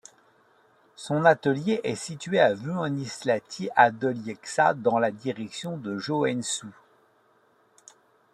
Son atelier est situé à Vuonislahti à de Lieksa dans la direction de Joensuu.